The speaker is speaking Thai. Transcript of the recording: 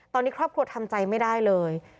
ตอนนี้ครอบครัวทำใจไม่ได้เลย